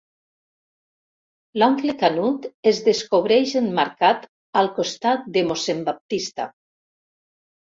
L'oncle Canut es descobreix emmarcat al costat de mossèn Baptista.